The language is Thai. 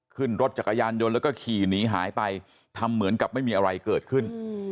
ขึ้นรถจักรยานยนต์แล้วก็ขี่หนีหายไปทำเหมือนกับไม่มีอะไรเกิดขึ้น